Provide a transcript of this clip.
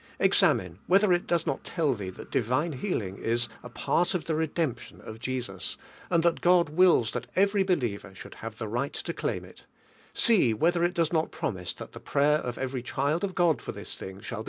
Examine whether it does not 1 1 1 1 Ibee that divine healing is a part of the redemption of Jesua, and that God wills that every believer should have the right to claim it; see whether it does not promise that the prayer of every child of Hod for this thing shall